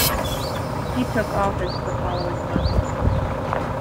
He took office the following month.